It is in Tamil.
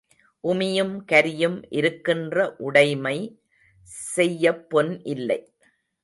உமியும் கரியும் இருக்கின்றன உடைமை செய்யப் பொன் இல்லை.